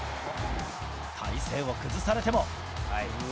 体勢を崩されても。